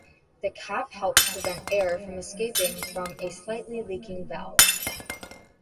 The cap helps prevent air from escaping from a slightly leaking valve.